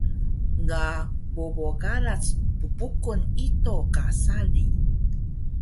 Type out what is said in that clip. Ga bobo gakac ppuqan ido ka sari